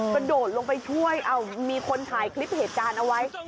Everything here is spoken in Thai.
กระโดดลงไปช่วยมีคนถ่ายคลิปเหตุการณ์เอาไว้